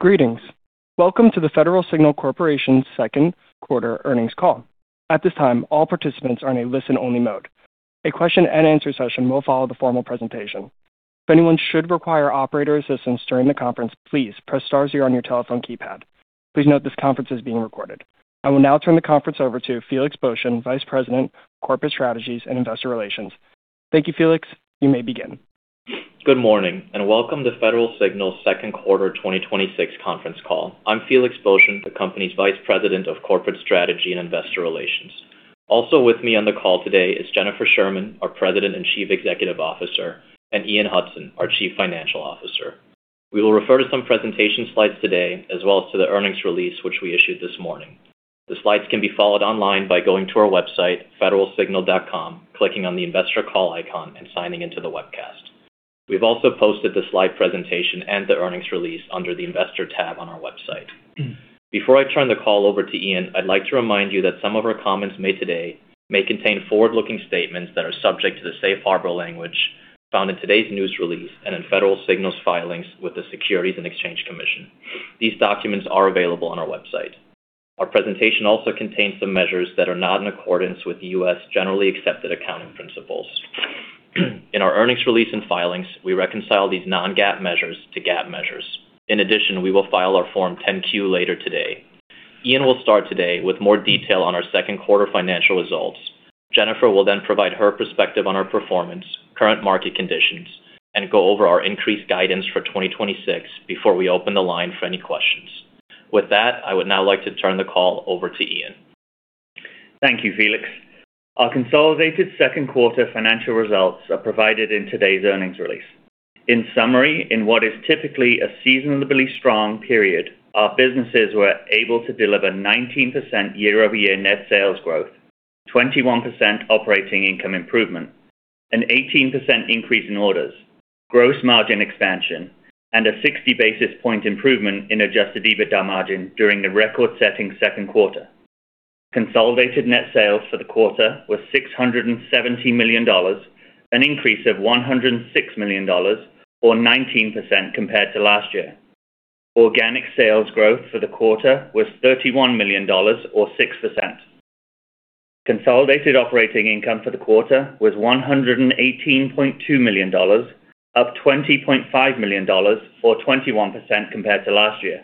Greetings. Welcome to the Federal Signal Corporation's second quarter earnings call. At this time, all participants are in a listen-only mode. A question and answer session will follow the formal presentation. If anyone should require operator assistance during the conference, please press star zero on your telephone keypad. Please note this conference is being recorded. I will now turn the conference over to Felix Boeschen, Vice President, Corporate Strategies and Investor Relations. Thank you, Felix. You may begin. Good morning. Welcome to Federal Signal's second quarter 2026 conference call. I'm Felix Boeschen, the company's Vice President of Corporate Strategy and Investor Relations. Also with me on the call today is Jennifer Sherman, our President and Chief Executive Officer, and Ian Hudson, our Chief Financial Officer. We will refer to some presentation slides today, as well as to the earnings release, which we issued this morning. The slides can be followed online by going to our website, federalsignal.com, clicking on the Investor Call icon, and signing in to the webcast. We've also posted the slide presentation and the earnings release under the investor tab on our website. Before I turn the call over to Ian, I'd like to remind you that some of our comments made today may contain forward-looking statements that are subject to the safe harbor language found in today's news release and in Federal Signal's filings with the Securities and Exchange Commission. These documents are available on our website. Our presentation also contains some measures that are not in accordance with the U.S. generally accepted accounting principles. In our earnings release and filings, we reconcile these non-GAAP measures to GAAP measures. In addition, we will file our Form 10-Q later today. Ian will start today with more detail on our second quarter financial results. Jennifer will then provide her perspective on our performance, current market conditions, and go over our increased guidance for 2026 before we open the line for any questions. With that, I would now like to turn the call over to Ian. Thank you, Felix. Our consolidated second quarter financial results are provided in today's earnings release. In summary, in what is typically a seasonably strong period, our businesses were able to deliver 19% year-over-year net sales growth, 21% operating income improvement, an 18% increase in orders, gross margin expansion, and a 60-basis-point improvement in Adjusted EBITDA margin during the record-setting second quarter. Consolidated net sales for the quarter were $670 million, an increase of $106 million or 19% compared to last year. Organic sales growth for the quarter was $31 million or 6%. Consolidated operating income for the quarter was $118.2 million, up $20.5 million, or 21% compared to last year.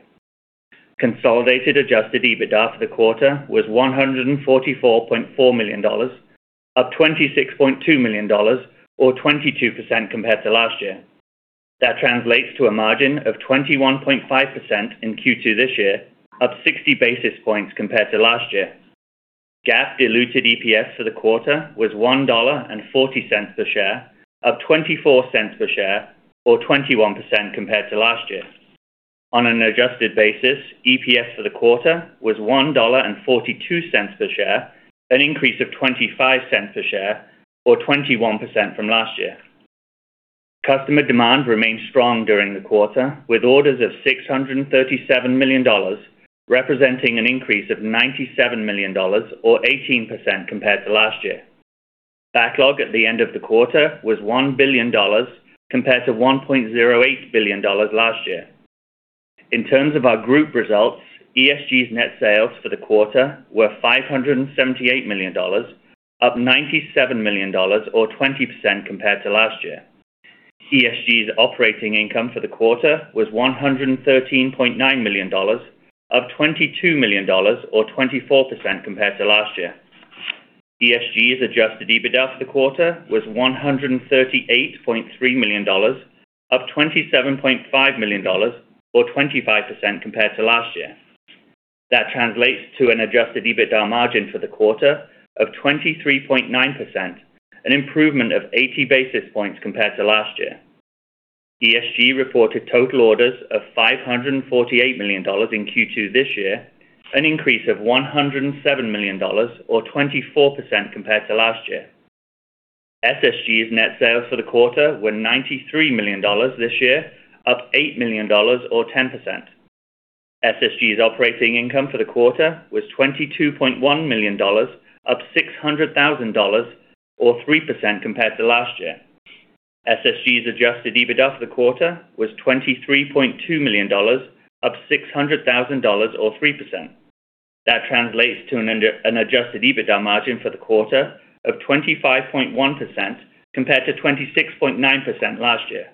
Consolidated Adjusted EBITDA for the quarter was $144.4 million, up $26.2 million or 22% compared to last year. That translates to a margin of 21.5% in Q2 this year, up 60 basis points compared to last year. GAAP diluted EPS for the quarter was $1.40 per share, up $0.24 per share or 21% compared to last year. On an adjusted basis, EPS for the quarter was $1.42 per share, an increase of $0.25 per share or 21% from last year. Customer demand remained strong during the quarter, with orders of $637 million, representing an increase of $97 million or 18% compared to last year. Backlog at the end of the quarter was $1 billion, compared to $1.08 billion last year. In terms of our group results, ESG's net sales for the quarter were $578 million, up $97 million or 20% compared to last year. ESG's operating income for the quarter was $113.9 million, up $22 million or 24% compared to last year. ESG's Adjusted EBITDA for the quarter was $138.3 million, up $27.5 million or 25% compared to last year. That translates to an Adjusted EBITDA margin for the quarter of 23.9%, an improvement of 80 basis points compared to last year. ESG reported total orders of $548 million in Q2 this year, an increase of $107 million or 24% compared to last year. SSG's net sales for the quarter were $93 million this year, up $8 million or 10%. SSG's operating income for the quarter was $22.1 million, up $600,000 or 3% compared to last year. SSG's Adjusted EBITDA for the quarter was $23.2 million, up $600,000 or 3%. That translates to an Adjusted EBITDA margin for the quarter of 25.1% compared to 26.9% last year.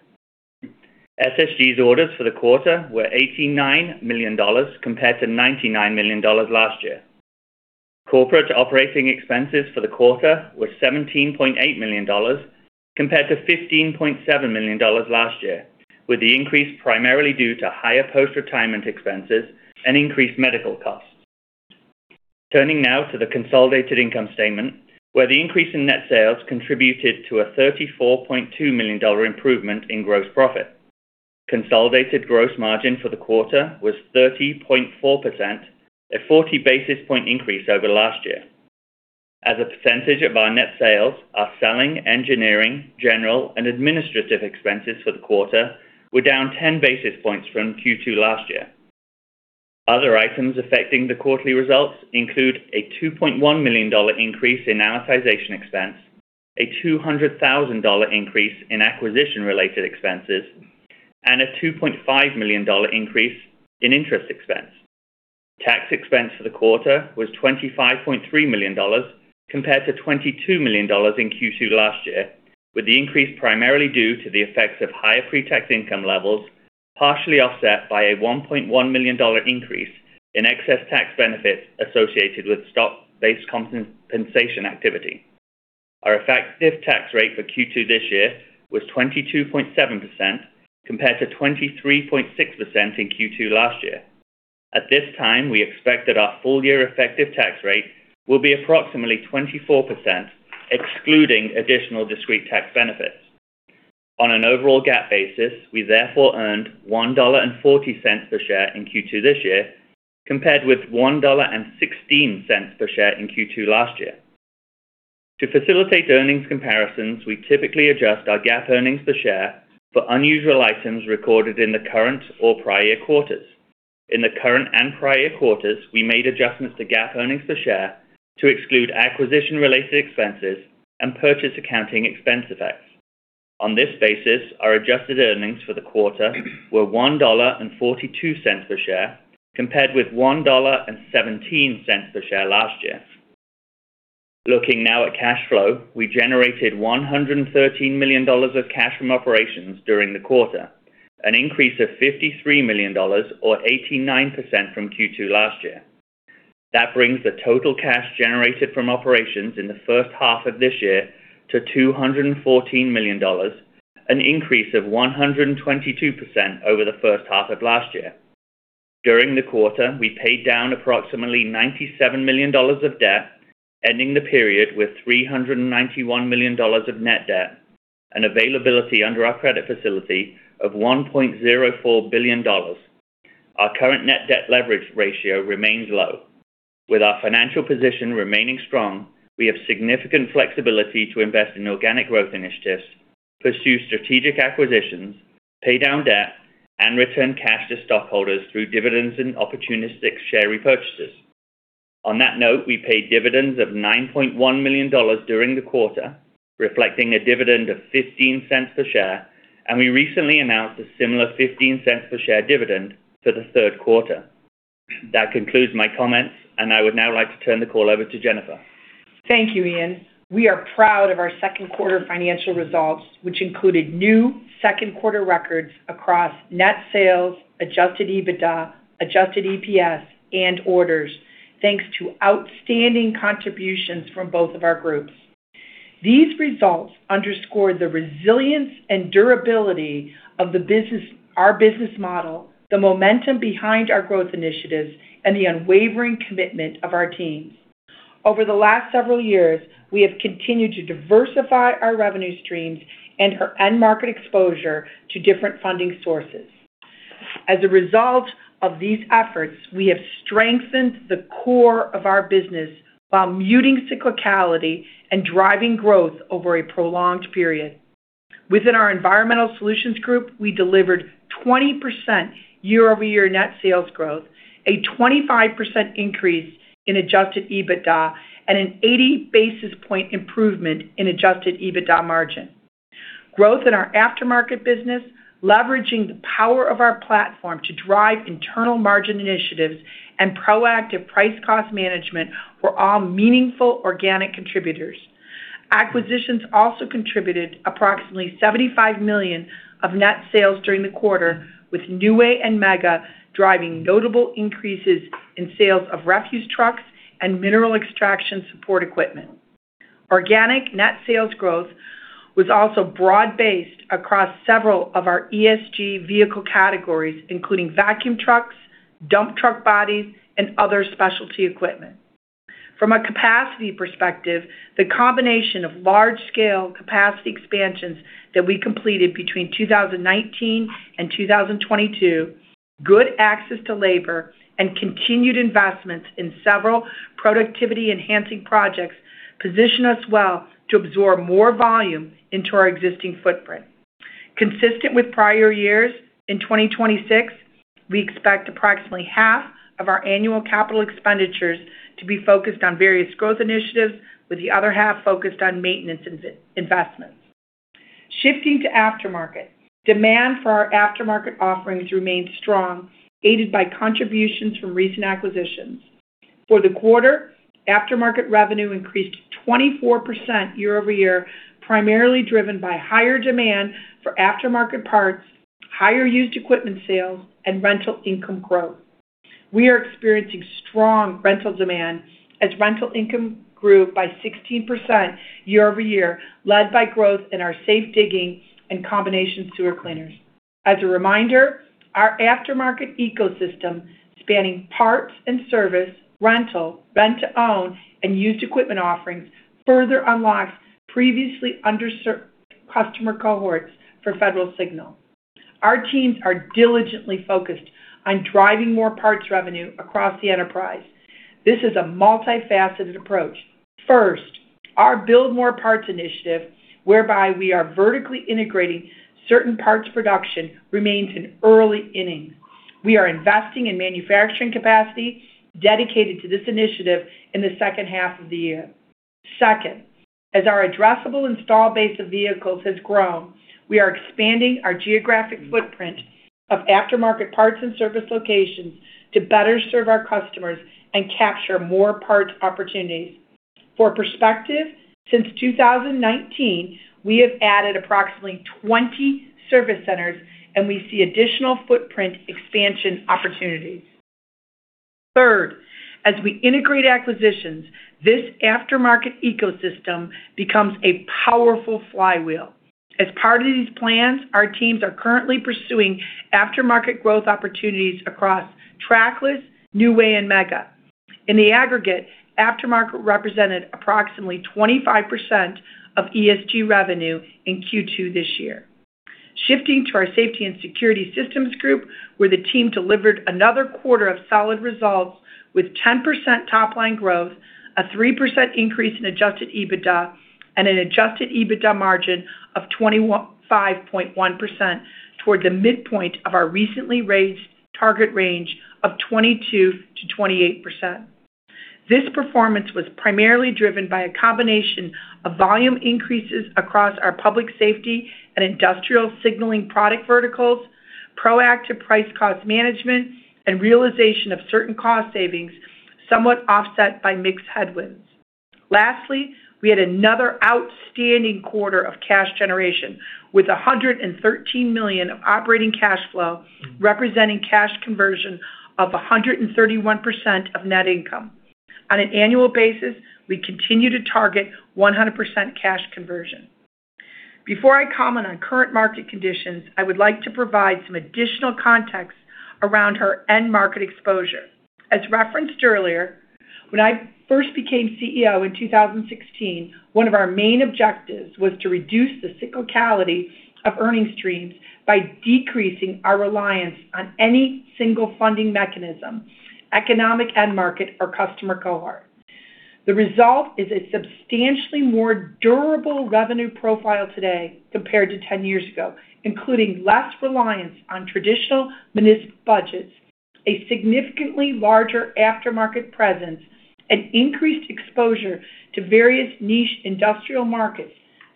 SSG's orders for the quarter were $89 million compared to $99 million last year. Corporate operating expenses for the quarter were $17.8 million compared to $15.7 million last year, with the increase primarily due to higher post-retirement expenses and increased medical costs. Turning now to the consolidated income statement, where the increase in net sales contributed to a $34.2 million improvement in gross profit. Consolidated gross margin for the quarter was 30.4%, a 40-basis-point increase over last year. As a percentage of our net sales, our selling, engineering, general, and administrative expenses for the quarter were down 10 basis points from Q2 last year. Other items affecting the quarterly results include a $2.1 million increase in amortization expense, a $200,000 increase in acquisition related expenses, and a $2.5 million increase in interest expense. Tax expense for the quarter was $25.3 million compared to $22 million in Q2 last year, with the increase primarily due to the effects of higher pre-tax income levels, partially offset by a $1.1 million increase in excess tax benefits associated with stock-based compensation activity. Our effective tax rate for Q2 this year was 22.7% compared to 23.6% in Q2 last year. At this time, we expect that our full year effective tax rate will be approximately 24%, excluding additional discrete tax benefits. On an overall GAAP basis, we therefore earned $1.40 per share in Q2 this year, compared with $1.16 per share in Q2 last year. To facilitate earnings comparisons, we typically adjust our GAAP earnings per share for unusual items recorded in the current or prior year quarters. In the current and prior year quarters, we made adjustments to GAAP earnings per share to exclude acquisition-related expenses and purchase accounting expense effects. On this basis, our adjusted earnings for the quarter were $1.42 per share, compared with $1.17 per share last year. Looking now at cash flow, we generated $113 million of cash from operations during the quarter, an increase of $53 million or 89% from Q2 last year. That brings the total cash generated from operations in the first half of this year to $214 million, an increase of 122% over the first half of last year. During the quarter, we paid down approximately $97 million of debt, ending the period with $391 million of net debt and availability under our credit facility of $1.04 billion. Our current net debt leverage ratio remains low. With our financial position remaining strong, we have significant flexibility to invest in organic growth initiatives, pursue strategic acquisitions, pay down debt, and return cash to stockholders through dividends and opportunistic share repurchases. On that note, we paid dividends of $9.1 million during the quarter, reflecting a dividend of $0.15 per share, and we recently announced a similar $0.15 per share dividend for the third quarter. That concludes my comments, and I would now like to turn the call over to Jennifer. Thank you, Ian. We are proud of our second quarter financial results, which included new second-quarter records across net sales, Adjusted EBITDA, adjusted EPS, and orders, thanks to outstanding contributions from both of our groups. These results underscore the resilience and durability of our business model, the momentum behind our growth initiatives, and the unwavering commitment of our teams. Over the last several years, we have continued to diversify our revenue streams and our end market exposure to different funding sources. As a result of these efforts, we have strengthened the core of our business while muting cyclicality and driving growth over a prolonged period. Within our Environmental Solutions Group, we delivered 20% year-over-year net sales growth, a 25% increase in Adjusted EBITDA, and an 80 basis point improvement in Adjusted EBITDA margin. Growth in our aftermarket business, leveraging the power of our platform to drive internal margin initiatives and proactive price-cost management were all meaningful organic contributors. Acquisitions also contributed approximately $75 million of net sales during the quarter, with New Way and Mega driving notable increases in sales of refuse trucks and mineral extraction support equipment. Organic net sales growth was also broad-based across several of our ESG vehicle categories, including vacuum trucks, dump truck bodies, and other specialty equipment. From a capacity perspective, the combination of large-scale capacity expansions that we completed between 2019 and 2022, good access to labor, and continued investments in several productivity-enhancing projects position us well to absorb more volume into our existing footprint. Consistent with prior years, in 2026, we expect approximately half of our annual capital expenditures to be focused on various growth initiatives, with the other half focused on maintenance investments. Shifting to aftermarket. Demand for our aftermarket offerings remained strong, aided by contributions from recent acquisitions. For the quarter, aftermarket revenue increased 24% year-over-year, primarily driven by higher demand for aftermarket parts, higher used equipment sales, and rental income growth. We are experiencing strong rental demand as rental income grew by 16% year-over-year, led by growth in our safe digging and combination sewer cleaners. As a reminder, our aftermarket ecosystem, spanning parts and service, rental, rent-to-own, and used equipment offerings, further unlocks previously underserved customer cohorts for Federal Signal. Our teams are diligently focused on driving more parts revenue across the enterprise. This is a multifaceted approach. First, our Build More Parts initiative, whereby we are vertically integrating certain parts production, remains in early innings. We are investing in manufacturing capacity dedicated to this initiative in the second half of the year. Second, as our addressable install base of vehicles has grown, we are expanding our geographic footprint of aftermarket parts and service locations to better serve our customers and capture more parts opportunities. For perspective, since 2019, we have added approximately 20 service centers, and we see additional footprint expansion opportunities. Third, as we integrate acquisitions, this aftermarket ecosystem becomes a powerful flywheel. As part of these plans, our teams are currently pursuing aftermarket growth opportunities across Trackless, New Way, and Mega. In the aggregate, aftermarket represented approximately 25% of ESG revenue in Q2 this year. Shifting to our Safety and Security Systems Group, where the team delivered another quarter of solid results with 10% top-line growth, a 3% increase in Adjusted EBITDA, and an Adjusted EBITDA margin of 25.1% towards the midpoint of our recently raised target range of 22%-28%. This performance was primarily driven by a combination of volume increases across our public safety and industrial signaling product verticals, proactive price-cost management, and realization of certain cost savings, somewhat offset by mixed headwinds. Lastly, we had another outstanding quarter of cash generation with $113 million of operating cash flow, representing cash conversion of 131% of net income. On an annual basis, we continue to target 100% cash conversion. Before I comment on current market conditions, I would like to provide some additional context around our end market exposure. As referenced earlier, when I first became CEO in 2016, one of our main objectives was to reduce the cyclicality of earnings streams by decreasing our reliance on any single funding mechanism, economic end market, or customer cohort. The result is a substantially more durable revenue profile today compared to 10 years ago, including less reliance on traditional municipal budgets, a significantly larger aftermarket presence, and increased exposure to various niche industrial markets,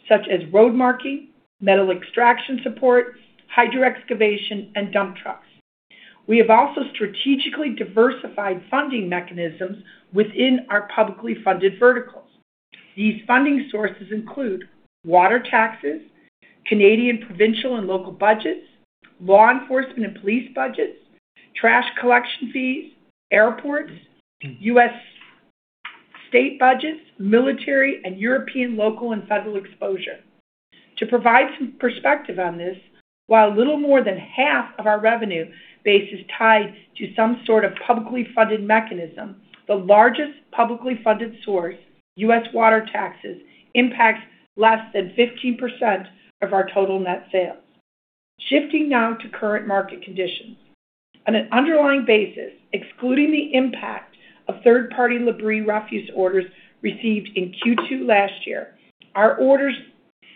such as road marking, metal extraction support, hydro excavation, and dump trucks. We have also strategically diversified funding mechanisms within our publicly funded verticals. These funding sources include water taxes, Canadian provincial and local budgets, law enforcement and police budgets, trash collection fees, airports, U.S. state budgets, military, and European local and federal exposure. To provide some perspective on this, while little more than half of our revenue base is tied to some sort of publicly funded mechanism, the largest publicly funded source, U.S. water taxes, impacts less than 15% of our total net sales. Shifting now to current market conditions. On an underlying basis, excluding the impact of third-party Labrie refuse orders received in Q2 last year, our orders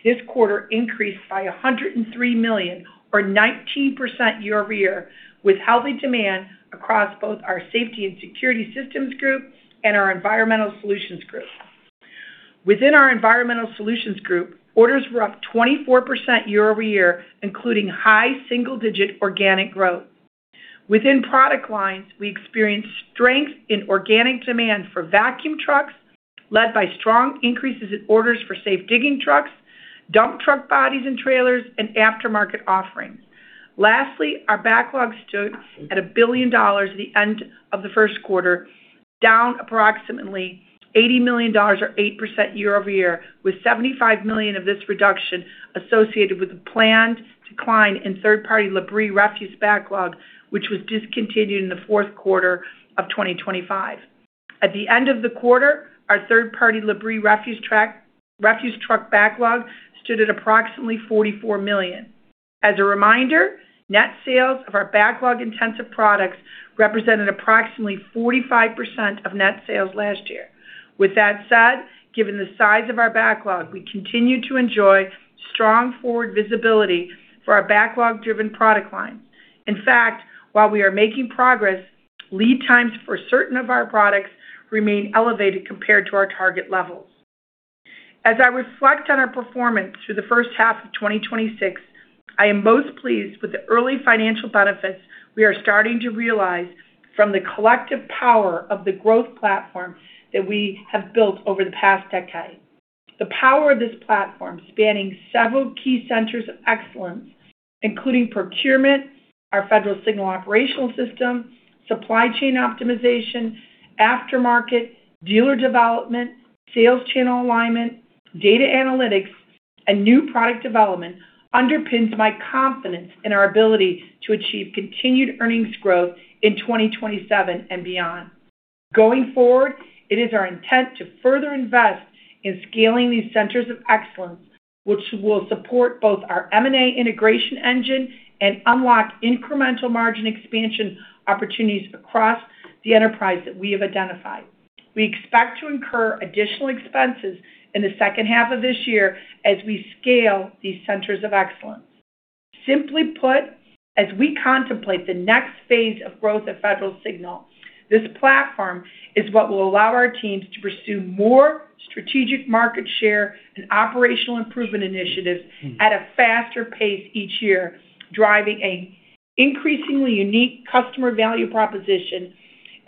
this quarter increased by $103 million or 19% year-over-year, with healthy demand across both our Safety and Security Systems Group and our Environmental Solutions Group. Within our Environmental Solutions Group, orders were up 24% year-over-year, including high single-digit organic growth. Within product lines, we experienced strength in organic demand for vacuum trucks, led by strong increases in orders for safe digging trucks, dump truck bodies and trailers, and aftermarket offerings. Lastly, our backlog stood at $1 billion at the end of the first quarter, down approximately $80 million or 8% year-over-year, with $75 million of this reduction associated with the planned decline in third-party Labrie refuse backlog, which was discontinued in the fourth quarter of 2025. At the end of the quarter, our third-party Labrie refuse truck backlog stood at approximately $44 million. As a reminder, net sales of our backlog-intensive products represented approximately 45% of net sales last year. With that said, given the size of our backlog, we continue to enjoy strong forward visibility for our backlog-driven product lines. In fact, while we are making progress, lead times for certain of our products remain elevated compared to our target levels. As I reflect on our performance through the first half of 2026, I am most pleased with the early financial benefits we are starting to realize from the collective power of the growth platform that we have built over the past decade. The power of this platform, spanning several key centers of excellence, including procurement, our Federal Signal operational system, supply chain optimization, aftermarket, dealer development, sales channel alignment, data analytics, and new product development, underpins my confidence in our ability to achieve continued earnings growth in 2027 and beyond. Going forward, it is our intent to further invest in scaling these centers of excellence, which will support both our M&A integration engine and unlock incremental margin expansion opportunities across the enterprise that we have identified. We expect to incur additional expenses in the second half of this year as we scale these centers of excellence. Simply put, as we contemplate the next phase of growth at Federal Signal, this platform is what will allow our teams to pursue more strategic market share and operational improvement initiatives at a faster pace each year, driving an increasingly unique customer value proposition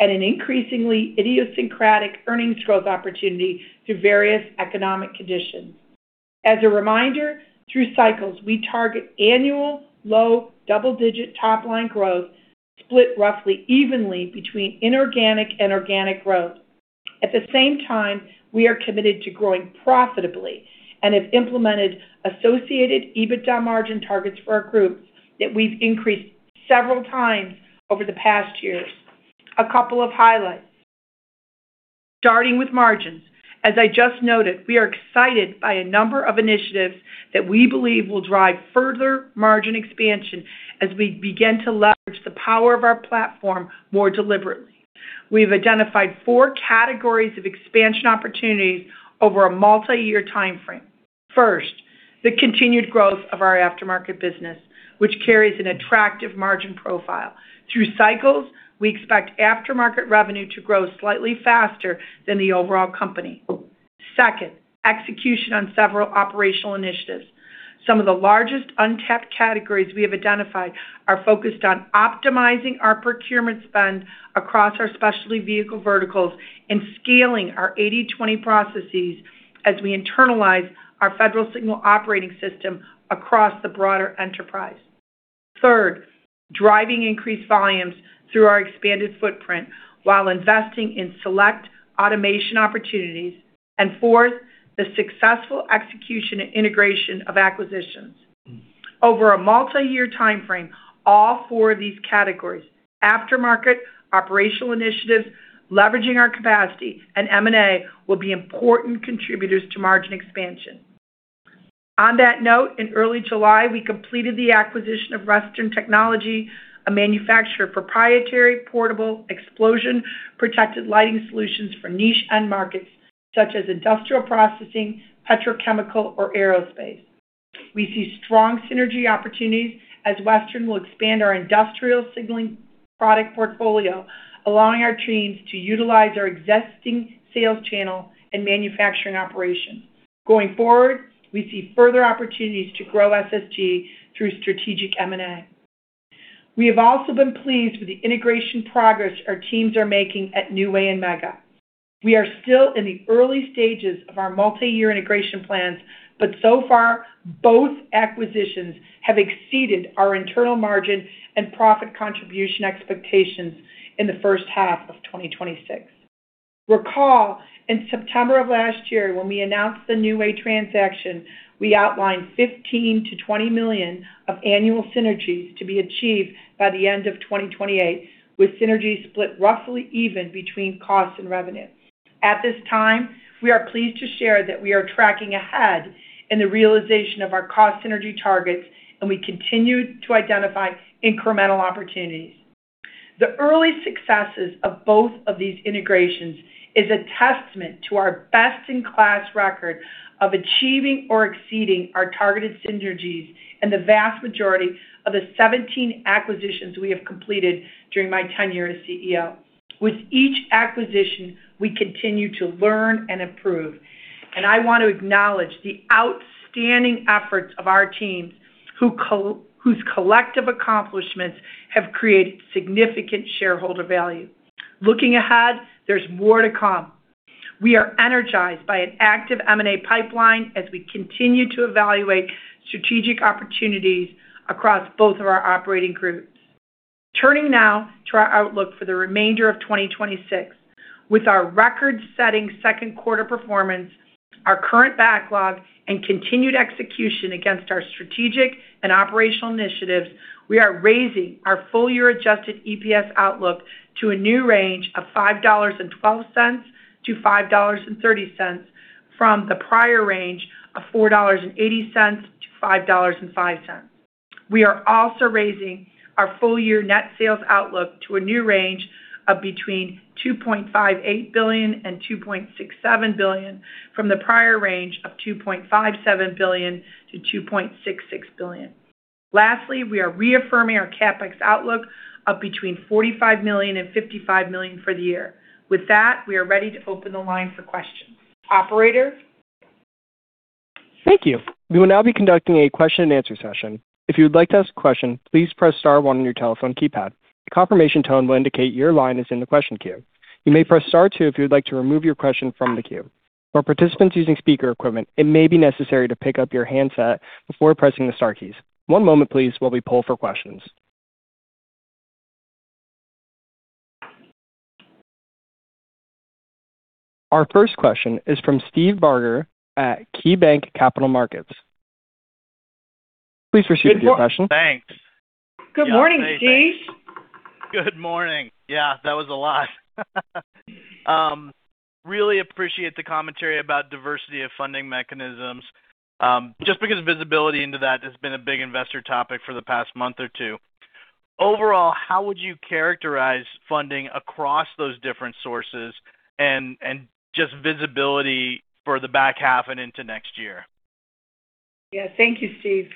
and an increasingly idiosyncratic earnings growth opportunity through various economic conditions. As a reminder, through cycles, we target annual low double-digit top-line growth split roughly evenly between inorganic and organic growth. At the same time, we are committed to growing profitably and have implemented associated EBITDA margin targets for our groups that we've increased several times over the past years. A couple of highlights. Starting with margins, as I just noted, we are excited by a number of initiatives that we believe will drive further margin expansion as we begin to leverage the power of our platform more deliberately. We've identified four categories of expansion opportunities over a multi-year timeframe. First, the continued growth of our aftermarket business, which carries an attractive margin profile. Through cycles, we expect aftermarket revenue to grow slightly faster than the overall company. Second, execution on several operational initiatives. Some of the largest untapped categories we have identified are focused on optimizing our procurement spend across our specialty vehicle verticals and scaling our 80/20 processes as we internalize our Federal Signal operational system across the broader enterprise. Third, driving increased volumes through our expanded footprint while investing in select automation opportunities. Fourth, the successful execution and integration of acquisitions. Over a multi-year timeframe, all four of these categories, aftermarket, operational initiatives, leveraging our capacity, and M&A, will be important contributors to margin expansion. On that note, in early July, we completed the acquisition of Western Technology, a manufacturer of proprietary portable explosion-protected lighting solutions for niche end markets such as industrial processing, petrochemical, or aerospace. We see strong synergy opportunities as Western will expand our industrial signaling product portfolio, allowing our teams to utilize our existing sales channel and manufacturing operations. Going forward, we see further opportunities to grow SSG through strategic M&A. We have also been pleased with the integration progress our teams are making at New Way and Mega. We are still in the early stages of our multi-year integration plans, but so far, both acquisitions have exceeded our internal margin and profit contribution expectations in the first half of 2026. Recall, in September of last year, when we announced the New Way transaction, we outlined $15 million-$20 million of annual synergies to be achieved by the end of 2028, with synergies split roughly even between costs and revenue. At this time, we are pleased to share that we are tracking ahead in the realization of our cost synergy targets, and we continue to identify incremental opportunities. The early successes of both of these integrations is a testament to our best-in-class record of achieving or exceeding our targeted synergies and the vast majority of the 17 acquisitions we have completed during my tenure as CEO. Looking ahead, there's more to come. We are energized by an active M&A pipeline as we continue to evaluate strategic opportunities across both of our operating groups. Turning now to our outlook for the remainder of 2026. With our record-setting second quarter performance, our current backlog, and continued execution against our strategic and operational initiatives, we are raising our full-year adjusted EPS outlook to a new range of $5.12-$5.30 from the prior range of $4.80-$5.05. We are also raising our full-year net sales outlook to a new range of between $2.58 billion and $2.67 billion from the prior range of $2.57 billion-$2.66 billion. Lastly, we are reaffirming our CapEx outlook of between $45 million and $55 million for the year. With that, we are ready to open the line for questions. Operator? Thank you. We will now be conducting a question and answer session. If you would like to ask a question, please press star one on your telephone keypad. A confirmation tone will indicate your line is in the question queue. You may press star two if you would like to remove your question from the queue. For participants using speaker equipment, it may be necessary to pick up your handset before pressing the star keys. One moment please while we poll for questions. Our first question is from Steve Barger at KeyBanc Capital Markets. Please proceed with your question. Good morning, Steve. Good morning. Yeah, that was a lot. Really appreciate the commentary about diversity of funding mechanisms, just because visibility into that has been a big investor topic for the past month or two. Overall, how would you characterize funding across those different sources and just visibility for the back half and into next year? Thank you, Steve.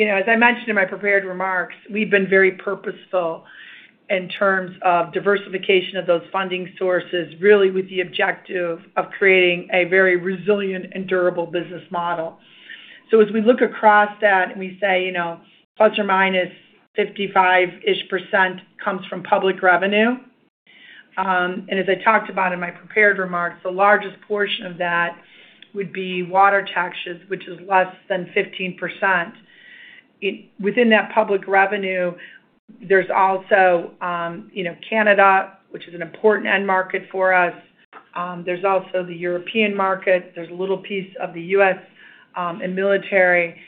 As I mentioned in my prepared remarks, we've been very purposeful in terms of diversification of those funding sources, really with the objective of creating a very resilient and durable business model. As we look across that and we say ±55-ish% comes from public revenue. As I talked about in my prepared remarks, the largest portion of that would be water taxes, which is less than 15%. Within that public revenue, there's also Canada, which is an important end market for us. There's also the European market. There's a little piece of the U.S., and military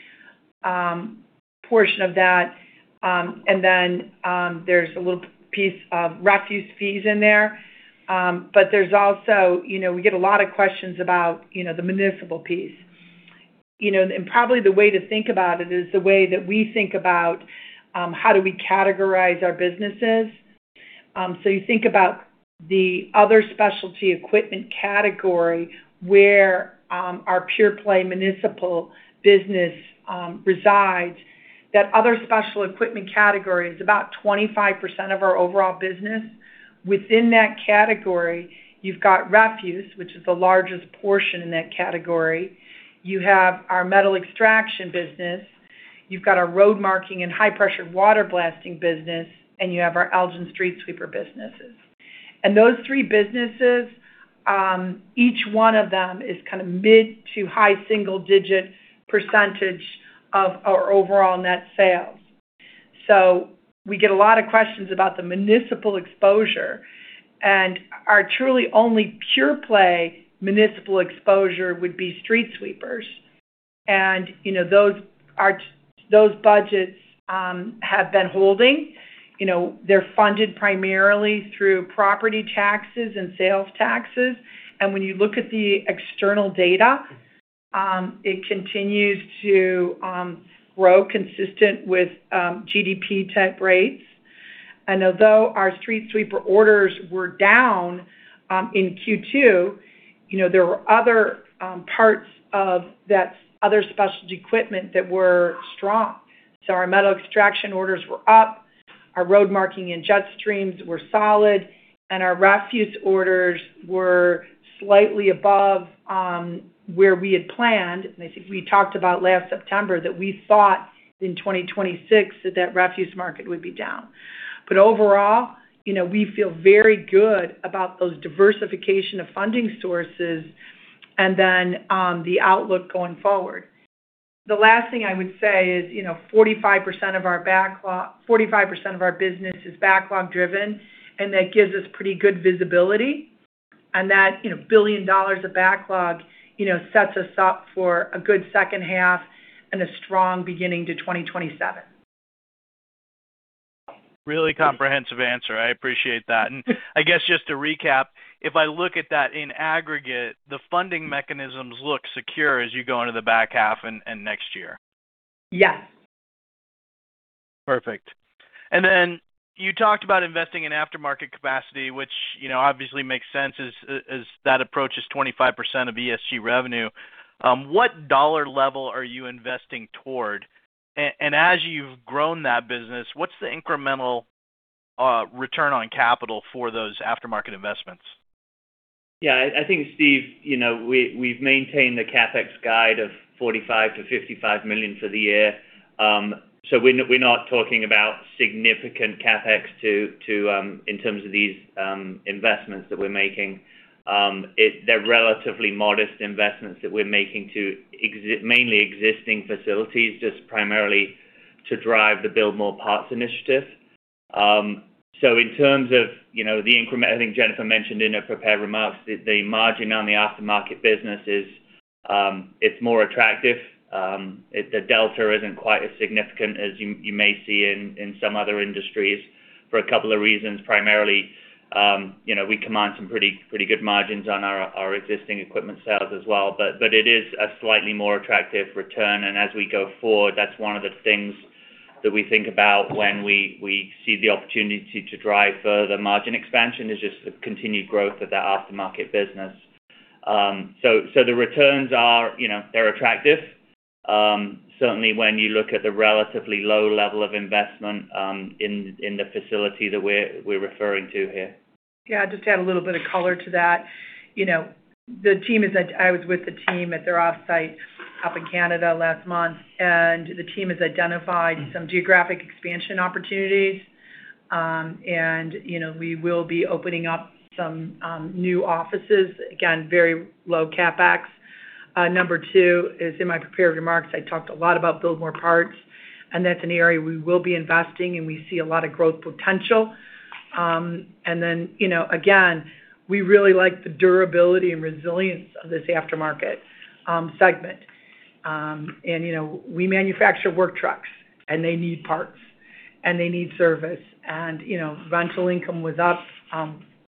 portion of that. There's a little piece of refuse fees in there. There's also, we get a lot of questions about the municipal piece. Probably the way to think about it is the way that we think about how do we categorize our businesses. You think about the other specialty equipment category where our pure play municipal business resides. That other special equipment category is about 25% of our overall business. Within that category, you've got refuse, which is the largest portion in that category. You have our metal extraction business. You've got our road marking and high-pressure water blasting business, and you have our Elgin street sweeper businesses. Those three businesses, each one of them is mid to high single-digit % of our overall net sales. We get a lot of questions about the municipal exposure, and our truly only pure play municipal exposure would be street sweepers. Those budgets have been holding. They're funded primarily through property taxes and sales taxes. When you look at the external data, it continues to grow consistent with GDP type rates. Although our street sweeper orders were down in Q2, there were other parts of that other specialty equipment that were strong. Our metal extraction orders were up, our road marking and jet streams were solid, and our refuse orders were slightly above where we had planned. I think we talked about last September that we thought in 2026 that that refuse market would be down. Overall, we feel very good about those diversification of funding sources and then the outlook going forward. The last thing I would say is 45% of our business is backlog driven, and that gives us pretty good visibility. That $1 billion of backlog sets us up for a good second half and a strong beginning to 2027. Really comprehensive answer. I appreciate that. I guess just to recap, if I look at that in aggregate, the funding mechanisms look secure as you go into the back half and next year. Yes. Perfect. Then you talked about investing in aftermarket capacity, which obviously makes sense as that approaches 25% of ESG revenue. What dollar level are you investing toward? As you've grown that business, what's the incremental return on capital for those aftermarket investments? Yeah. I think, Steve, we've maintained the CapEx guide of $45 million-$55 million for the year. We're not talking about significant CapEx in terms of these investments that we're making. They're relatively modest investments that we're making to mainly existing facilities, just primarily to drive the Build More Parts initiative. In terms of the increment, I think Jennifer mentioned in her prepared remarks, the margin on the aftermarket business is more attractive. The delta isn't quite as significant as you may see in some other industries, for a couple of reasons. Primarily, we command some pretty good margins on our existing equipment sales as well. It is a slightly more attractive return, and as we go forward, that's one of the things that we think about when we see the opportunity to drive further margin expansion, is just the continued growth of that aftermarket business. The returns are attractive, certainly when you look at the relatively low level of investment in the facility that we're referring to here. Yeah, just to add a little bit of color to that. I was with the team at their offsite up in Canada last month, the team has identified some geographic expansion opportunities. We will be opening up some new offices. Again, very low CapEx. Number two is in my prepared remarks, I talked a lot about Build More Parts, that's an area we will be investing, we see a lot of growth potential. Again, we really like the durability and resilience of this aftermarket segment. We manufacture work trucks, and they need parts, and they need service. Rental income was up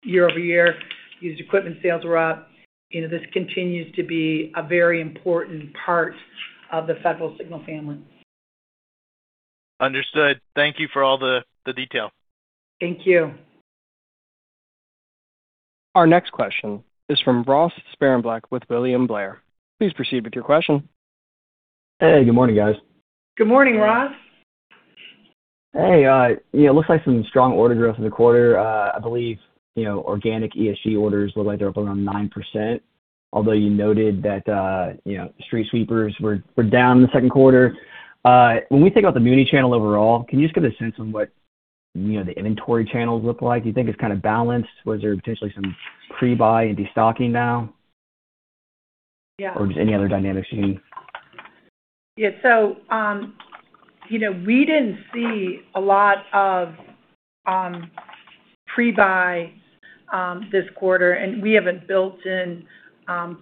year-over-year. Used equipment sales were up. This continues to be a very important part of the Federal Signal family. Understood. Thank you for all the detail. Thank you. Our next question is from Ross Sparenberg with William Blair. Please proceed with your question. Hey, good morning, guys. Good morning, Ross. Hey. It looks like some strong order growth in the quarter. I believe, organic ESG orders look like they're up around 9%, although you noted that street sweepers were down in the second quarter. When we think about the muni channel overall, can you just give a sense on what the inventory channels look like? Do you think it's kind of balanced? Was there potentially some pre-buy and de-stocking now? Yeah. Just any other dynamics you can. Yeah. We didn't see a lot of pre-buy this quarter, and we haven't built in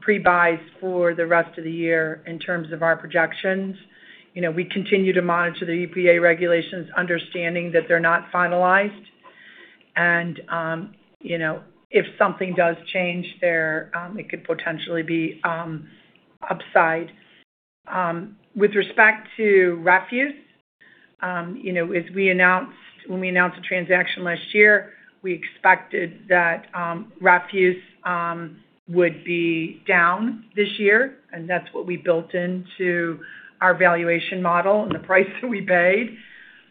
pre-buys for the rest of the year in terms of our projections. We continue to monitor the EPA regulations, understanding that they're not finalized. If something does change there, it could potentially be upside. With respect to refuse, when we announced the transaction last year, we expected that refuse would be down this year, and that's what we built into our valuation model and the price that we paid.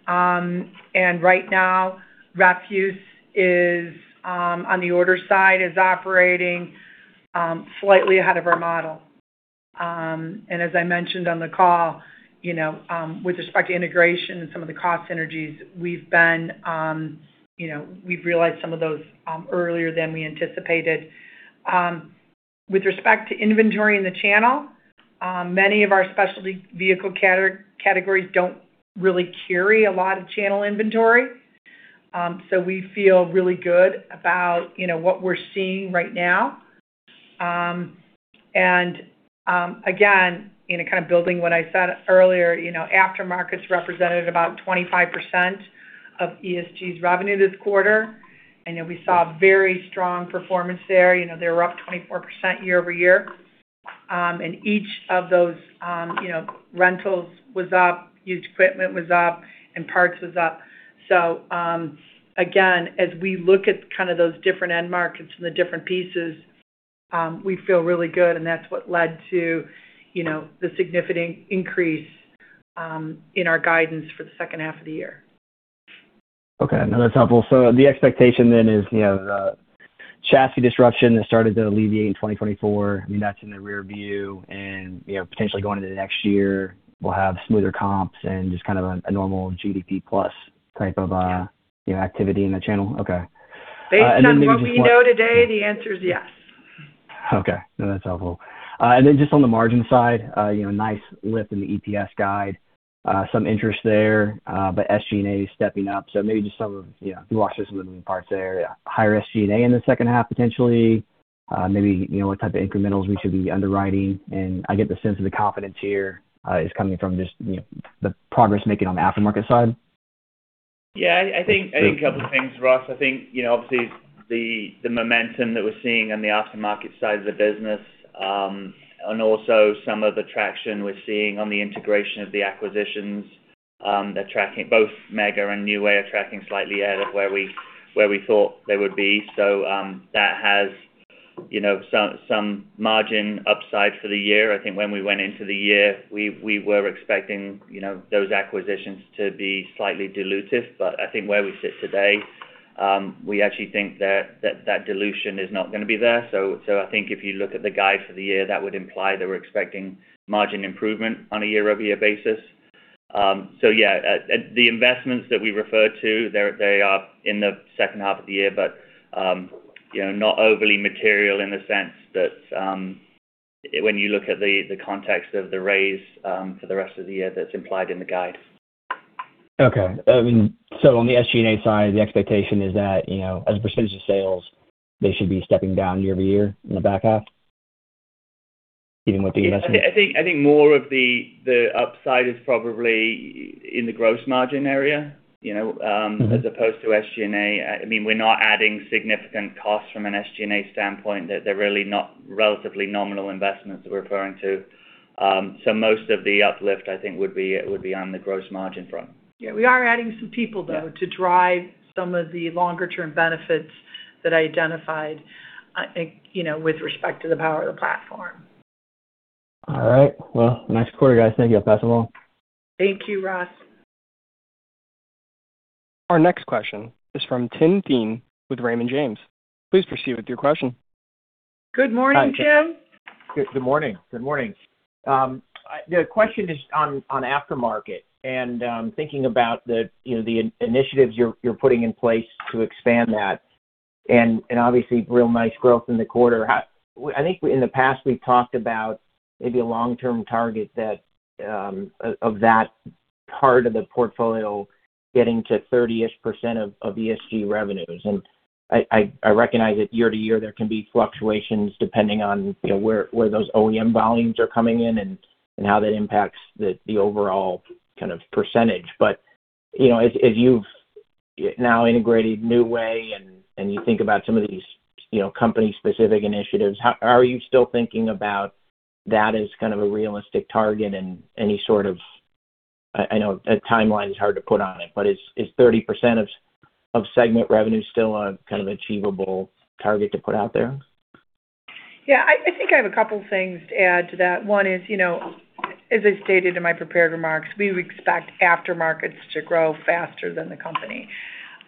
Right now, refuse is, on the order side, is operating slightly ahead of our model. As I mentioned on the call, with respect to integration and some of the cost synergies, we've realized some of those earlier than we anticipated. With respect to inventory in the channel, many of our specialty vehicle categories don't really carry a lot of channel inventory. We feel really good about what we're seeing right now. Again, kind of building what I said earlier, aftermarkets represented about 25% of ESG's revenue this quarter. We saw very strong performance there. They were up 24% year-over-year. Each of those, rentals was up, used equipment was up, and parts was up. Again, as we look at those different end markets and the different pieces, we feel really good, and that's what led to the significant increase in our guidance for the second half of the year. Okay. No, that's helpful. The expectation then is, the chassis disruption that started to alleviate in 2024, I mean, that's in the rear view. Potentially going into the next year, we'll have smoother comps and just kind of a normal GDP plus type of- Yeah activity in the channel? Okay. Then maybe just one- Based on what we know today, the answer is yes. Okay. No, that's helpful. Just on the margin side, nice lift in the EPS guide. Some interest there. SG&A is stepping up. Maybe just some of, can you walk us through some of the moving parts there? Higher SG&A in the second half potentially. Maybe, what type of incrementals we should be underwriting. I get the sense that the confidence here is coming from just the progress making on the aftermarket side. I think a couple things, Ross. I think obviously the momentum that we're seeing on the aftermarket side of the business, also some of the traction we're seeing on the integration of the acquisitions. Both Mega and New Way are tracking slightly ahead of where we thought they would be. That has some margin upside for the year. I think when we went into the year, we were expecting those acquisitions to be slightly dilutive. I think where we sit today, we actually think that that dilution is not going to be there. I think if you look at the guide for the year, that would imply that we're expecting margin improvement on a year-over-year basis. The investments that we refer to, they are in the second half of the year, but not overly material in the sense that when you look at the context of the raise for the rest of the year, that's implied in the guide. Okay. On the SG&A side, the expectation is that, as a percentage of sales, they should be stepping down year-over-year in the back half? Even with the investment? I think more of the upside is probably in the gross margin area, as opposed to SG&A. We're not adding significant costs from an SG&A standpoint. They're really not relatively nominal investments that we're referring to. Most of the uplift, I think, would be on the gross margin front. Yeah, we are adding some people, though, Yeah to drive some of the longer-term benefits that I identified, I think, with respect to the power of the platform. All right. Well, nice quarter, guys. Thank you. I'll pass it along. Thank you, Ross. Our next question is from Tim Thein with Raymond James. Please proceed with your question. Good morning, Tim. Good morning. The question is on aftermarket, and thinking about the initiatives you're putting in place to expand that, and obviously real nice growth in the quarter. I think in the past we've talked about maybe a long-term target of that part of the portfolio getting to 30-ish% of ESG revenues. I recognize that year-to-year there can be fluctuations depending on where those OEM volumes are coming in and how that impacts the overall percentage. As you've now integrated New Way and you think about some of these company specific initiatives, are you still thinking about that as kind of a realistic target and any sort of, I know a timeline is hard to put on it, but is 30% of segment revenue still a kind of achievable target to put out there? Yeah, I think I have two things to add to that. One is, as I stated in my prepared remarks, we expect aftermarkets to grow faster than the company.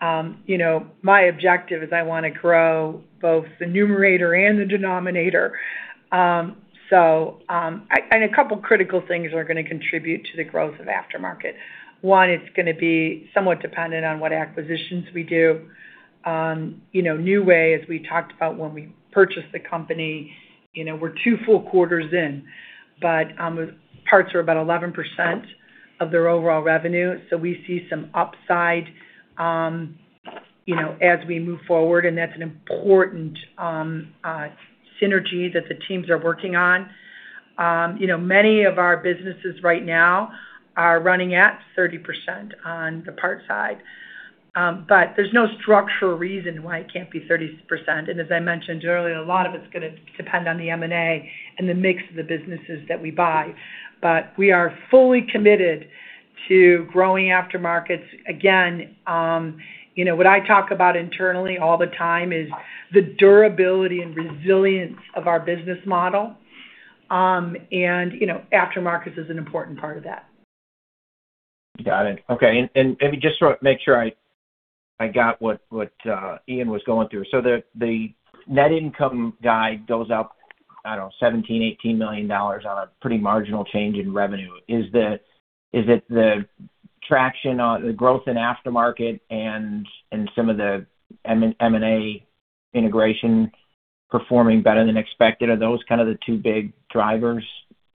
My objective is I want to grow both the numerator and the denominator. A couple critical things are going to contribute to the growth of aftermarket. One, it's going to be somewhat dependent on what acquisitions we do. New Way, as we talked about when we purchased the company, we're two full quarters in, but parts are about 11% of their overall revenue. We see some upside as we move forward, and that's an important synergy that the teams are working on. Many of our businesses right now are running at 30% on the parts side. There's no structural reason why it can't be 30%. As I mentioned earlier, a lot of it's going to depend on the M&A and the mix of the businesses that we buy. We are fully committed to growing aftermarkets. Again, what I talk about internally all the time is the durability and resilience of our business model. Aftermarkets is an important part of that. Got it. Okay. Let me just make sure I got what Ian was going through. The net income guide goes up, I don't know, $17 million, $18 million on a pretty marginal change in revenue. Is it the traction on the growth in aftermarket and some of the M&A integration performing better than expected? Are those kind of the two big drivers?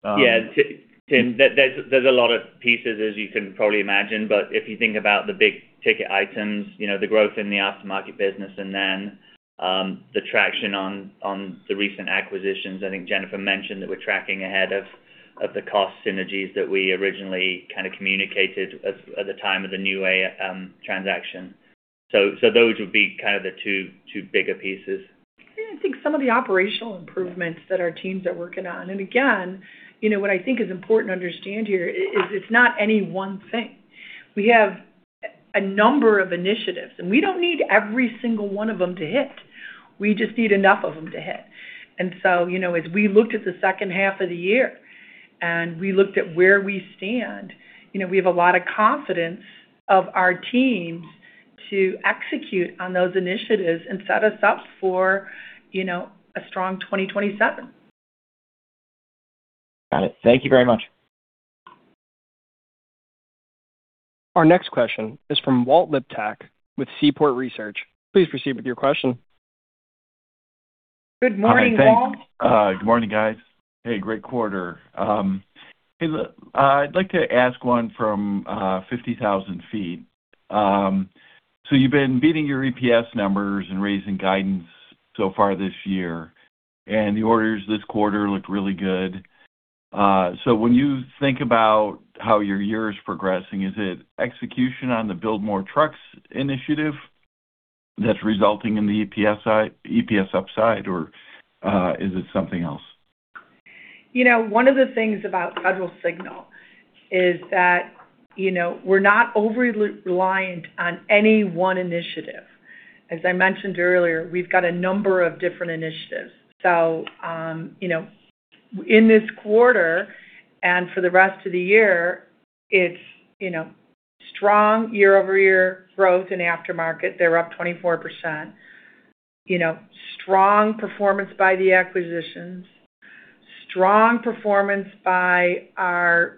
Yeah, Tim, there's a lot of pieces as you can probably imagine. If you think about the big ticket items, the growth in the aftermarket business and then the traction on the recent acquisitions, I think Jennifer mentioned that we're tracking ahead of the cost synergies that we originally kind of communicated at the time of the New Way transaction. Those would be kind of the two bigger pieces. I think some of the operational improvements that our teams are working on. Again, what I think is important to understand here is it's not any one thing. We have a number of initiatives, and we don't need every single one of them to hit. We just need enough of them to hit. As we looked at the second half of the year, and we looked at where we stand, we have a lot of confidence of our teams to execute on those initiatives and set us up for a strong 2027. Got it. Thank you very much. Our next question is from Walt Liptak with Seaport Research. Please proceed with your question. Good morning, Walt. Good morning, guys. Hey, great quarter. I'd like to ask one from 50,000 ft. You've been beating your EPS numbers and raising guidance so far this year, and the orders this quarter look really good. When you think about how your year is progressing, is it execution on the Build More Parts initiative that's resulting in the EPS upside, or is it something else? One of the things about Federal Signal is that we're not over-reliant on any one initiative. As I mentioned earlier, we've got a number of different initiatives. In this quarter, and for the rest of the year, it's strong year-over-year growth in aftermarket. They're up 24%. Strong performance by the acquisitions, strong performance by our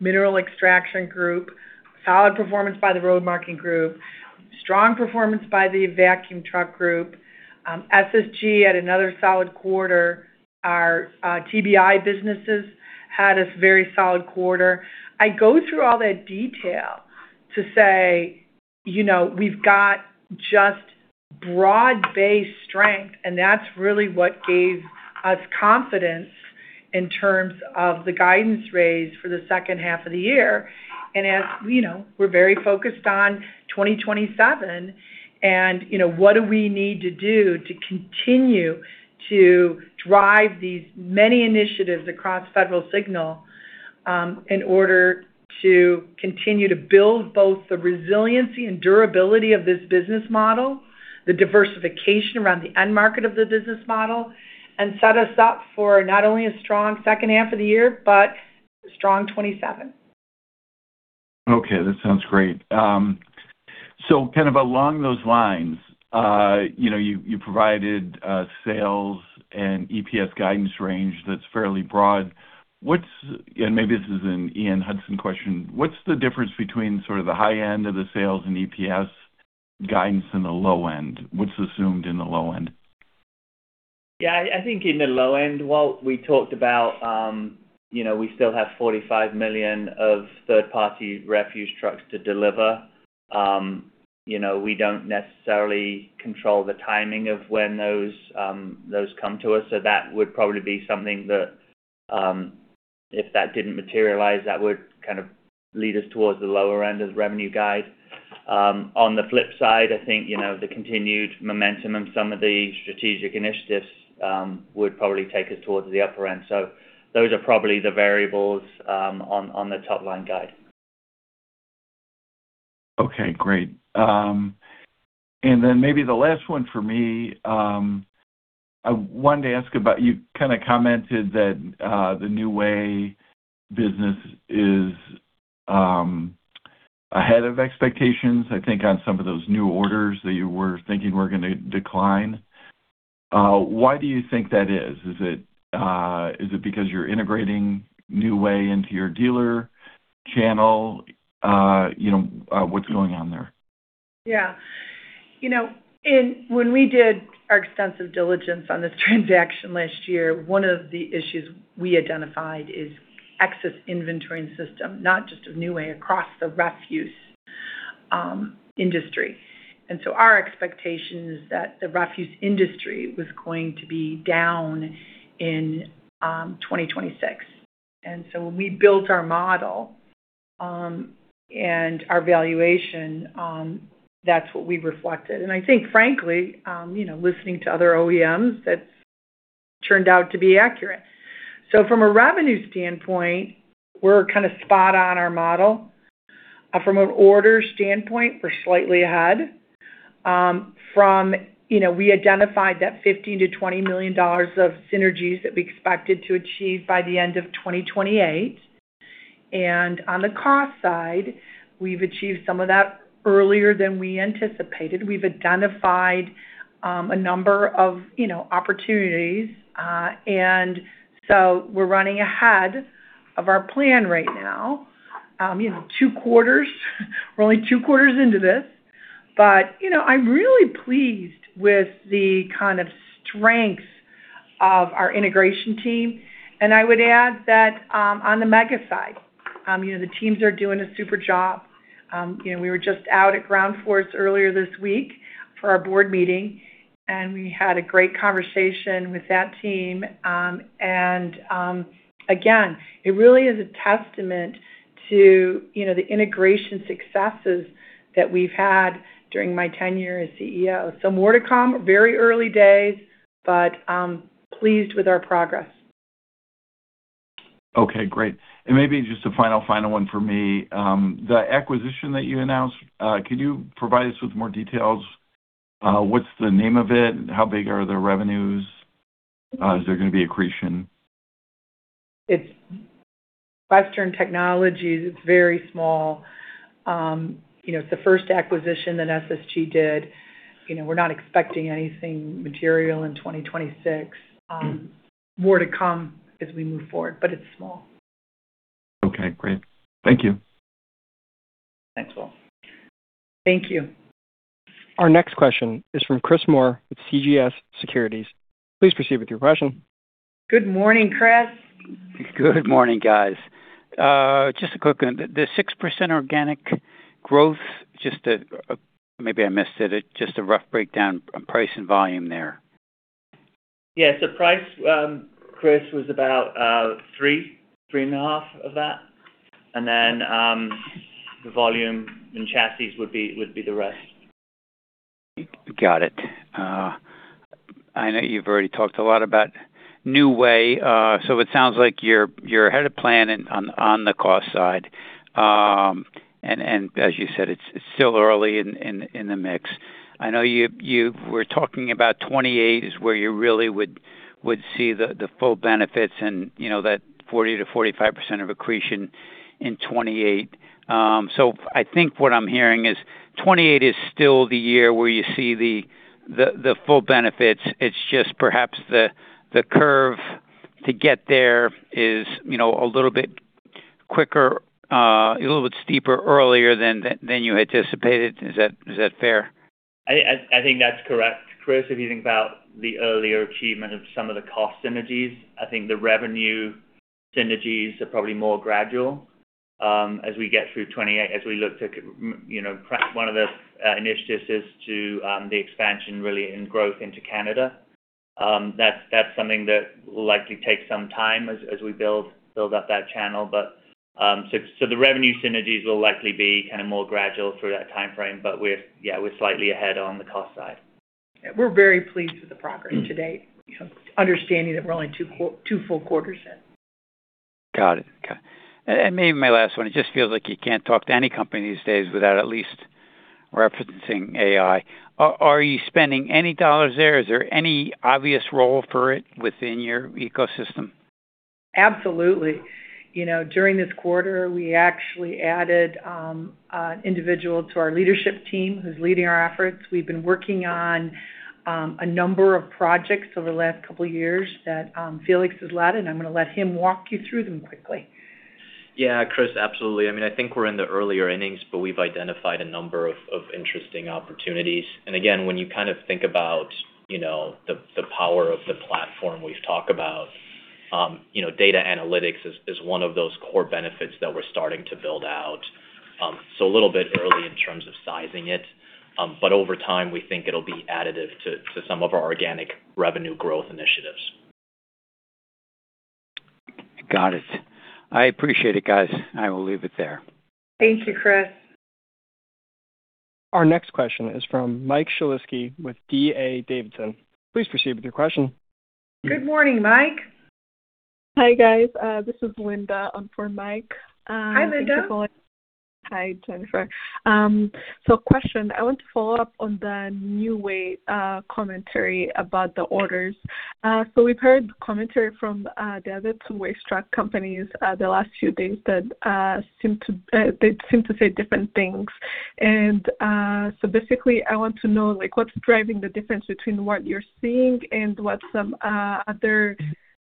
mineral extraction group, solid performance by the road marking group, strong performance by the vacuum truck group. SSG had another solid quarter. Our TBEI businesses had a very solid quarter. I go through all that detail to say we've got just broad-based strength, that's really what gave us confidence in terms of the guidance raise for the second half of the year. As we're very focused on 2027 and what do we need to do to continue to drive these many initiatives across Federal Signal in order to continue to build both the resiliency and durability of this business model, the diversification around the end market of the business model, and set us up for not only a strong second half of the year, but a strong 2027. Okay, that sounds great. Kind of along those lines, you provided sales and EPS guidance range that's fairly broad. Maybe this is an Ian Hudson question, what's the difference between sort of the high end of the sales and EPS guidance and the low end? What's assumed in the low end? I think in the low end, while we talked about we still have $45 million of third-party refuse trucks to deliver. We don't necessarily control the timing of when those come to us, that would probably be something that, if that didn't materialize, that would lead us towards the lower end of the revenue guide. On the flip side, I think, the continued momentum and some of the strategic initiatives would probably take us towards the upper end. Those are probably the variables on the top-line guide. Okay, great. Maybe the last one for me, I wanted to ask about, you commented that the New Way business is ahead of expectations, I think, on some of those new orders that you were thinking were going to decline. Why do you think that is? Is it because you're integrating New Way into your dealer channel? What's going on there? When we did our extensive diligence on this transaction last year, one of the issues we identified is excess inventory in the system, not just of New Way, across the refuse industry. Our expectation is that the refuse industry was going to be down in 2026. When we built our model and our valuation, that's what we reflected. I think, frankly, listening to other OEMs, that's turned out to be accurate. From a revenue standpoint, we're kind of spot on our model. From an order standpoint, we're slightly ahead. We identified that $15 million-$20 million of synergies that we expected to achieve by the end of 2028. On the cost side, we've achieved some of that earlier than we anticipated. We've identified a number of opportunities. We're running ahead of our plan right now. Two quarters. We're only two quarters into this, but I'm really pleased with the kind of strength of our integration team. I would add that on the Mega side, the teams are doing a super job. We were just out at Ground Force earlier this week for our board meeting, and we had a great conversation with that team. Again, it really is a testament to the integration successes that we've had during my tenure as CEO. More to come, very early days, but pleased with our progress. Okay, great. Maybe just a final one for me. The acquisition that you announced, can you provide us with more details? What's the name of it? How big are the revenues? Is there going to be accretion? It's Western Technology. It's very small. It's the first acquisition that SSG did. We're not expecting anything material in 2026. More to come as we move forward, but it's small. Okay, great. Thank you. Thanks, Walt. Thank you. Our next question is from Chris Moore with CJS Securities. Please proceed with your question. Good morning, Chris. Good morning, guys. Just a quick one. The 6% organic growth, maybe I missed it, just a rough breakdown on price and volume there. Yeah. Price, Chris, was about three and a half of that. The volume and chassis would be the rest. Got it. I know you've already talked a lot about New Way, it sounds like you're ahead of plan on the cost side. As you said, it's still early in the mix. I know you were talking about 2028 is where you really would see the full benefits and that 40%-45% of accretion in 2028. I think what I'm hearing is 2028 is still the year where you see the full benefits. It's just perhaps the curve to get there is a little bit quicker, a little bit steeper earlier than you anticipated. Is that fair? I think that's correct, Chris, if you think about the earlier achievement of some of the cost synergies. I think the revenue synergies are probably more gradual as we get through 2028, as we look to crack one of the initiatives is to the expansion, really, and growth into Canada. That's something that will likely take some time as we build up that channel. The revenue synergies will likely be more gradual through that timeframe. We're slightly ahead on the cost side. We're very pleased with the progress to date, understanding that we're only two full quarters in. Got it. Maybe my last one, it just feels like you can't talk to any company these days without at least referencing AI. Are you spending any dollars there? Is there any obvious role for it within your ecosystem? Absolutely. During this quarter, we actually added an individual to our leadership team who's leading our efforts. We've been working on a number of projects over the last couple of years that Felix has led, I'm going to let him walk you through them quickly. Yeah, Chris, absolutely. I think we're in the earlier innings, but we've identified a number of interesting opportunities. Again, when you think about the power of the platform we've talked about, data analytics is one of those core benefits that we're starting to build out. A little bit early in terms of sizing it. Over time, we think it'll be additive to some of our organic revenue growth initiatives. Got it. I appreciate it, guys. I will leave it there. Thank you, Chris. Our next question is from Mike Shlisky with D.A. Davidson. Please proceed with your question. Good morning, Mike. Hi, guys. This is Linda on for Mike. Hi, Linda. Hi, Jennifer. Question, I want to follow up on the New Way commentary about the orders. We've heard commentary from the other two waste truck companies the last few days that seem to say different things. Basically, I want to know what's driving the difference between what you're seeing and what some other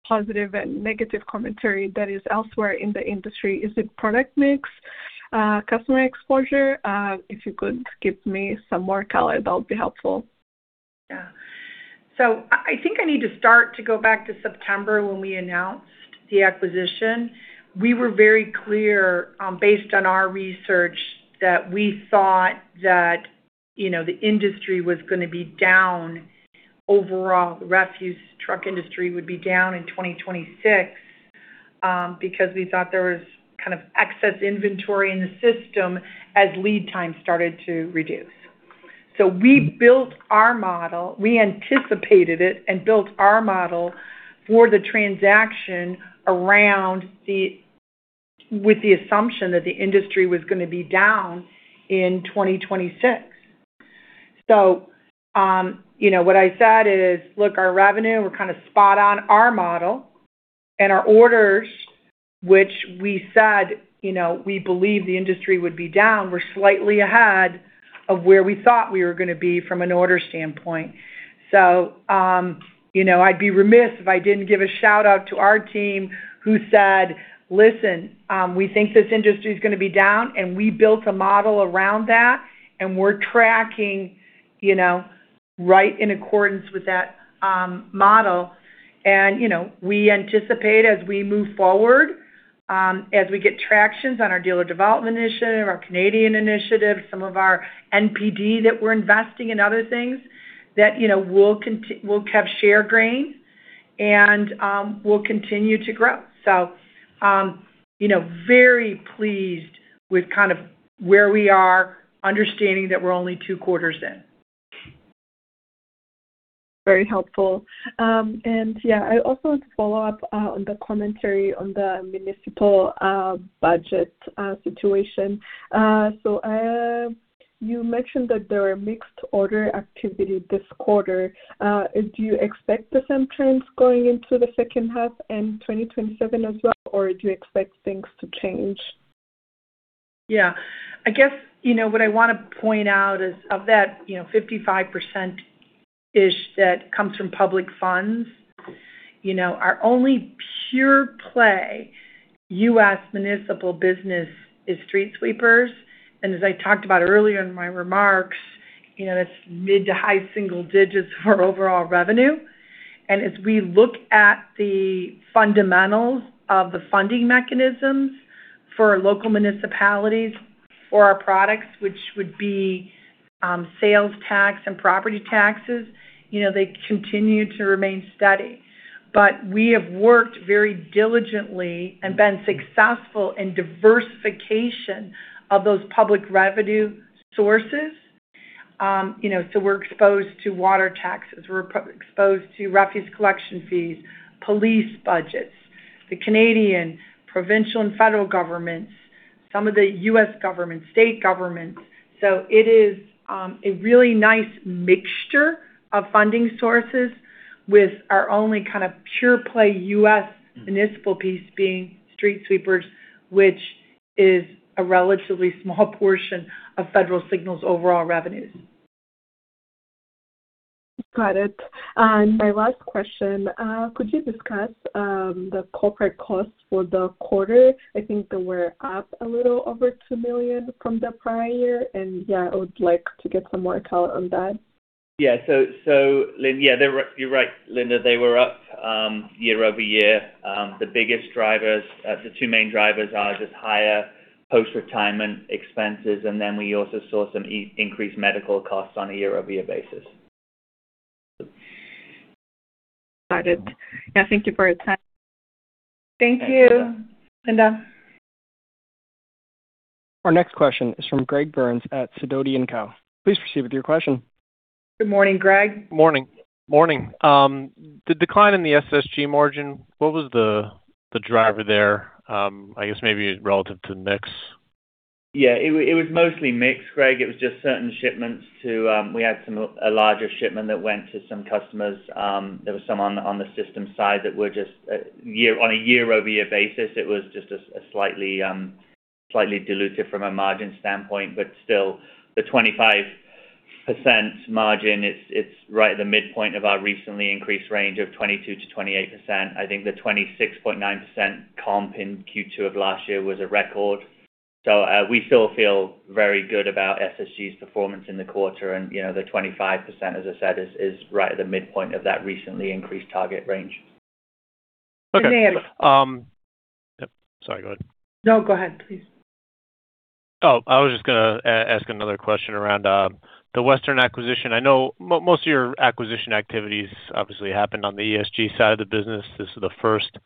positive and negative commentary that is elsewhere in the industry. Is it product mix, customer exposure? If you could give me some more color, that would be helpful. Yeah. I think I need to start to go back to September when we announced the acquisition. We were very clear, based on our research, that we thought that the industry was going to be down overall, the refuse truck industry would be down in 2026, because we thought there was excess inventory in the system as lead time started to reduce. We built our model, we anticipated it, and built our model for the transaction with the assumption that the industry was going to be down in 2026. What I said is, look, our revenue, we're kind of spot on our model, and our orders, which we said we believe the industry would be down, we're slightly ahead of where we thought we were going to be from an order standpoint. I'd be remiss if I didn't give a shout-out to our team who said, "Listen, we think this industry is going to be down, and we built a model around that, and we're tracking right in accordance with that model." We anticipate as we move forward, as we get tractions on our dealer development initiative, our Canadian initiatives, some of our NPD that we're investing in other things, that we'll keep share gain, and we'll continue to grow. Very pleased with where we are, understanding that we're only two quarters in. Very helpful. Yeah, I also want to follow up on the commentary on the municipal budget situation. You mentioned that there were mixed order activity this quarter. Do you expect the same trends going into the second half and 2027 as well, or do you expect things to change? Yeah. I guess what I want to point out is of that 55%-ish that comes from public funds, our only pure play U.S. municipal business is street sweepers. As I talked about earlier in my remarks, it's mid to high single digits for overall revenue. As we look at the fundamentals of the funding mechanisms for local municipalities for our products, which would be sales tax and property taxes, they continue to remain steady. We have worked very diligently and been successful in diversification of those public revenue sources. We're exposed to water taxes, we're exposed to refuse collection fees, police budgets, the Canadian, provincial, and federal governments, some of the U.S. government, state governments. It is a really nice mixture of funding sources with our only kind of pure play U.S. municipal piece being street sweepers, which is a relatively small portion of Federal Signal's overall revenues. Got it. My last question, could you discuss the corporate costs for the quarter? I think they were up a little over $2 million from the prior year, and yeah, I would like to get some more color on that. Yeah. You're right, Linda, they were up year-over-year. The biggest drivers, the two main drivers are just higher post-retirement expenses, and then we also saw some increased medical costs on a year-over-year basis. Got it. Thank you for your time. Thank you, Linda. Our next question is from Greg Burns at Sidoti & Company. Please proceed with your question. Good morning, Greg. Morning. The decline in the SSG margin, what was the driver there? I guess maybe relative to mix. Yeah, it was mostly mix, Greg. It was just certain shipments. We had a larger shipment that went to some customers. There was some on the systems side that were just on a year-over-year basis, it was just slightly dilutive from a margin standpoint, but still the 25% margin, it's right at the midpoint of our recently increased range of 22%-28%. I think the 26.9% comp in Q2 of last year was a record. We still feel very good about SSG's performance in the quarter. The 25%, as I said, is right at the midpoint of that recently increased target range. Okay. [Dan]. Sorry, go ahead. No, go ahead, please. I was just going to ask another question around the Western acquisition. I know most of your acquisition activities obviously happened on the ESG side of the business. This is the first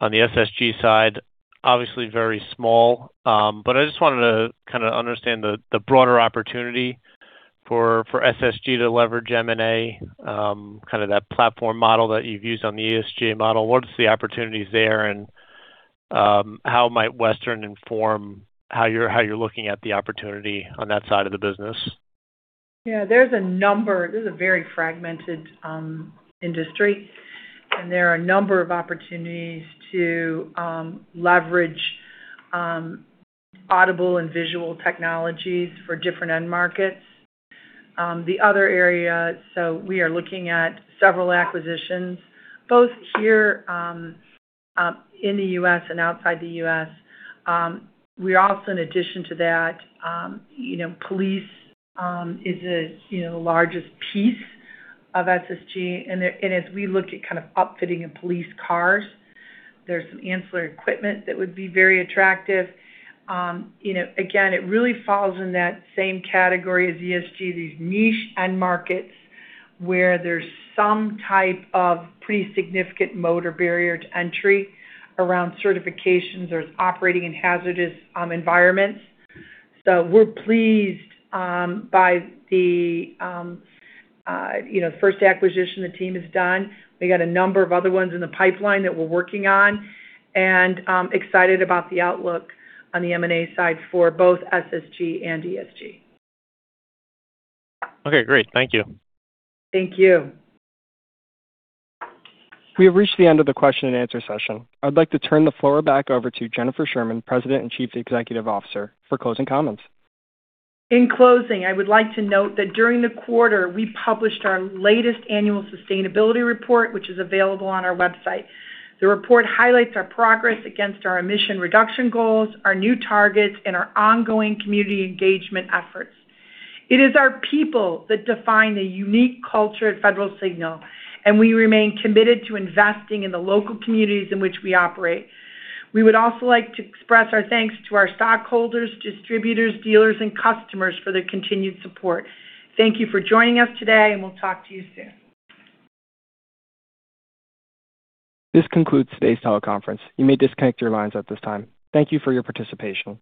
on the SSG side. Obviously very small. I just wanted to kind of understand the broader opportunity for SSG to leverage M&A, kind of that platform model that you've used on the ESG model. What is the opportunities there, and how might Western inform how you're looking at the opportunity on that side of the business? This is a very fragmented industry, and there are a number of opportunities to leverage audible and visual technologies for different end markets. The other area, we are looking at several acquisitions both here in the U.S. and outside the U.S. We also, in addition to that, police is the largest piece of SSG. As we look at upfitting of police cars, there's some ancillary equipment that would be very attractive. Again, it really falls in that same category as ESG, these niche end markets where there's some type of pretty significant motor barrier to entry around certifications. There's operating in hazardous environments. We're pleased by the first acquisition the team has done. We got a number of other ones in the pipeline that we're working on and excited about the outlook on the M&A side for both SSG and ESG. Great. Thank you. Thank you. We have reached the end of the question and answer session. I'd like to turn the floor back over to Jennifer Sherman, President and Chief Executive Officer, for closing comments. In closing, I would like to note that during the quarter, we published our latest Annual Sustainability Report, which is available on our website. The report highlights our progress against our emission reduction goals, our new targets, and our ongoing community engagement efforts. It is our people that define the unique culture at Federal Signal, and we remain committed to investing in the local communities in which we operate. We would also like to express our thanks to our stockholders, distributors, dealers, and customers for their continued support. Thank you for joining us today, and we'll talk to you soon. This concludes today's teleconference. You may disconnect your lines at this time. Thank you for your participation.